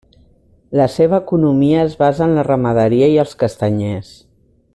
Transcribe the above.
La seva economia es basa en la ramaderia i els castanyers.